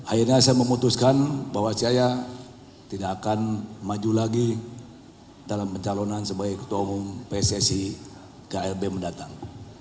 akhirnya saya memutuskan bahwa saya tidak akan maju lagi dalam pencalonan sebagai ketua umum pssi klb mendatang